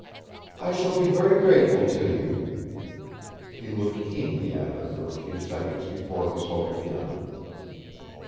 "I shall be very grateful to you." He looked keenly at her for a few seconds before he spoke again.